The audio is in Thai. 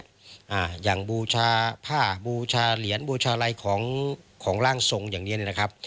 อ่าอย่างบูชาผ้าบูชาเหรียญบูชาอะไรของของร่างทรงอย่างเนี้ยเนี้ยนะครับ